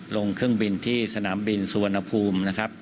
ลงเครื่องบินที่สนามบินสุวรรณภูมินะครับ